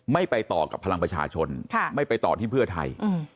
ไม่ไปต่อกับพลังประชาชนไม่ไปต่อที่เพื่อไทย